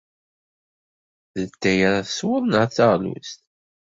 D atay ara teswed neɣ d taɣlust?